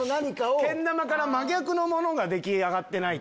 けん玉から真逆のものが出来上がってないと。